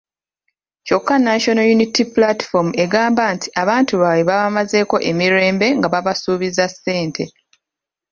Kyokka National Unity Platform egamba nti abantu baabwe babamazeeko emirembe nga babasuubiza ssente.